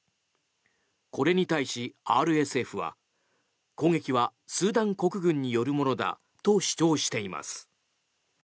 これに対し、ＲＳＦは攻撃はスーダン国軍によるものだと主張しています。